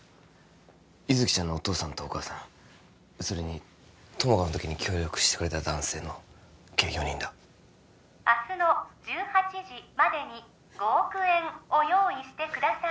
優月ちゃんのお父さんとお母さんそれに友果の時に協力してくれた男性の計４人だ明日の１８時までに５億円を用意してください